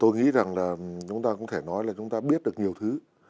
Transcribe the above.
tôi nghĩ rằng là chúng ta có thể nói là chúng ta biết được nhiều thứ